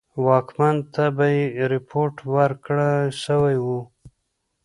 واکمن ته به یې رپوټ ورکړه سوی وو.